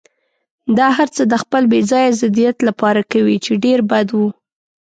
دا هرڅه د خپل بې ځایه ضدیت لپاره کوي، چې ډېر بد و.